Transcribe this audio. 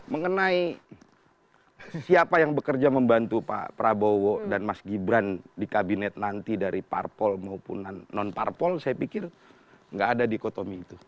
mengenai siapa yang bekerja membantu pak prabowo dan mas gibran di kabinet nanti dari parpol maupun non parpol saya pikir nggak ada dikotomi itu